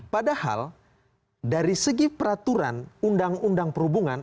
padahal dari segi peraturan undang undang perhubungan